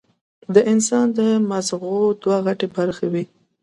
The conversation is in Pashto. د انسان د مزغو دوه غټې برخې وي